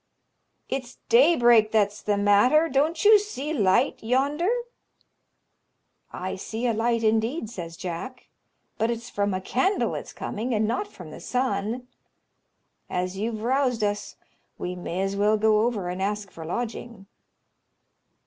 "It's daybreak that's the matter; don't you see light yonder?" "I see a light indeed," says Jack, "but it's from a candle it's coming, and not from the sun. As you've roused us we may as well go over and ask for lodging."